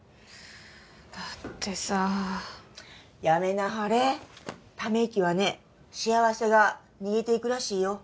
だってさやめなはれため息はね幸せが逃げていくらしいよ